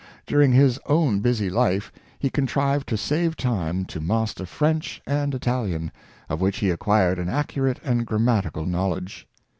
Dur ing his own busy life, he contrived to save time to mas ter French and Italian, of which he acquired an accu rate and grammatical knowledge.